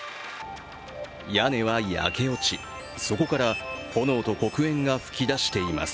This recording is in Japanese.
屋根は焼け落ち、そこから炎と黒煙が噴き出しています。